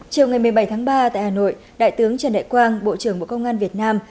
chiều ngày một mươi bảy tháng ba tại hà nội đại tướng trần đại quang bộ trưởng bộ công an việt nam